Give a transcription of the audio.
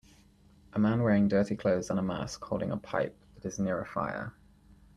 A man wearing dirty clothes and a mask holding a pipe that is near a fire.